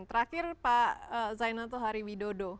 terakhir pak zainal hari widodo